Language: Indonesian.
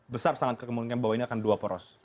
besar sangat terkemungkinkan bahwa ini akan dua poros